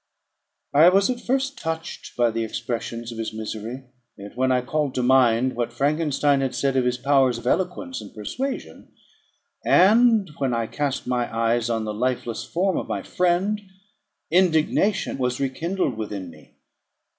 I was at first touched by the expressions of his misery; yet, when I called to mind what Frankenstein had said of his powers of eloquence and persuasion, and when I again cast my eyes on the lifeless form of my friend, indignation was rekindled within me.